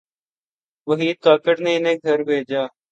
وحید کاکڑ نے انہیں گھر بھیجا۔